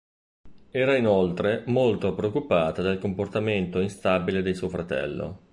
Era inoltre molto preoccupata del comportamento instabile di suo fratello.